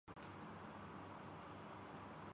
تو وہ جمہوریت اور آزاد میڈیا کے مخالفین ہو ں گے۔